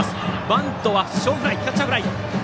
バントはキャッチャーフライ。